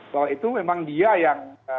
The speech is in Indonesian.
bahwa itu memang dia yang